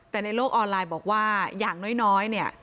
แต่ในโลกออนไลน์บอกว่าอย่างน้อยเนี่ย